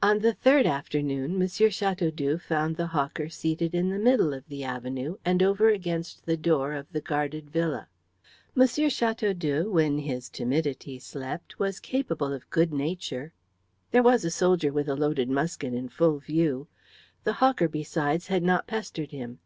On the third afternoon M. Chateaudoux found the hawker seated in the middle of the avenue and over against the door of the guarded villa. M. Chateaudoux, when his timidity slept, was capable of good nature. There was a soldier with a loaded musket in full view. The hawker, besides, had not pestered him.